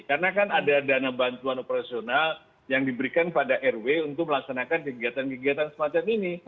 karena kan ada dana bantuan operasional yang diberikan pada rw untuk melaksanakan kegiatan kegiatan semacam ini